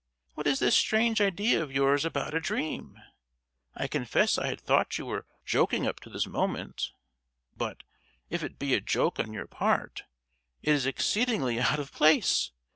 What is this strange idea of yours about a dream? I confess I had thought you were joking up to this moment; but—if it be a joke on your part, it is exceedingly out of place!